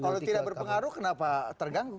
kalau tidak berpengaruh kenapa terganggu